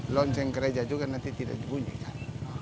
lonceng gereja juga nanti tidak dibunyikan